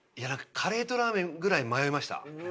カレーとラーメンぐらい迷いました。